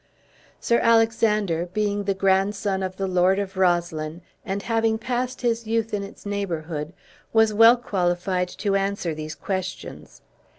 Sir Alexander, being the grandson of the Lord of Roslyn, and having passed his youth in its neighborhood, was well qualified to answer these questions.